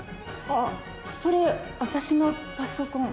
あっそれ私のパソコン。